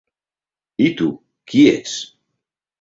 I tu, qui ets?